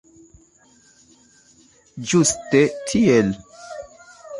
Ĝuste tiel!